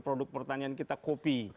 produk pertanian kita kopi